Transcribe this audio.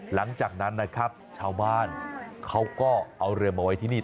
หลังจากนั้นนะครับชาวบ้านเขาก็เอาเรือมาไว้ที่นี่